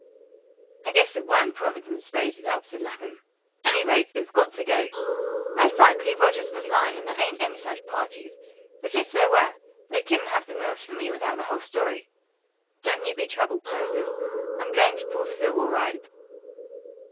"I guess it wa'n't Providence raised it up," said Lapham. "Any rate, it's got to go. Most likely Rogers was lyin', and there ain't any such parties; but if there were, they couldn't have the mills from me without the whole story. Don't you be troubled, Persis. I'm going to pull through all right."